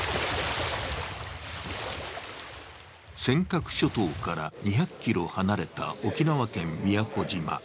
尖閣諸島から２００ｋｍ離れた沖縄県・宮古島。